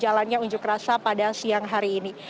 jalannya unjuk rasa pada siang hari ini